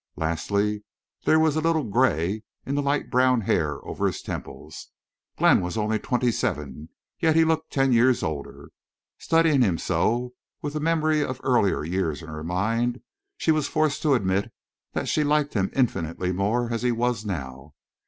Lastly there was a little gray in the light brown hair over his temples. Glenn was only twenty seven, yet he looked ten years older. Studying him so, with the memory of earlier years in her mind, she was forced to admit that she liked him infinitely more as he was now.